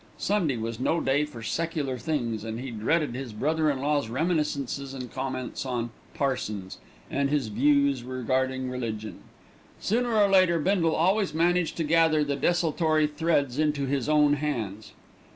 Sunday was no day for secular things, and he dreaded his brother in law's reminiscences and comments on "parsons," and his views regarding religion. Sooner or later Bindle always managed to gather the desultory threads into his own hands.